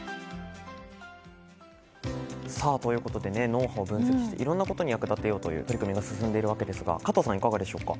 脳波を分析していろんなことに役立てようという取り組みが進んでいるわけですが加藤さん、いかがでしょうか。